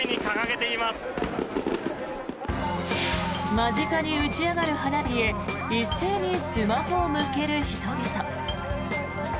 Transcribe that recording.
間近に打ち上がる花火へ一斉にスマホを向ける人々。